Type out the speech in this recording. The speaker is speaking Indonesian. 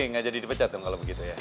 nggak jadi dipecat dong kalau begitu ya